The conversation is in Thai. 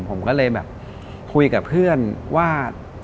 ผมก็เลยแบบคุยกับเพื่อนว่า